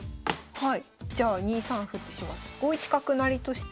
はい。